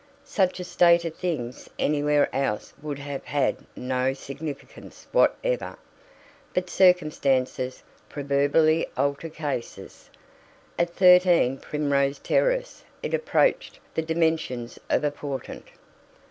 Such a state of things anywhere else would have had no significance whatever; but circumstances proverbially alter cases. At 13 Primrose Terrace it approached the dimensions of a portent.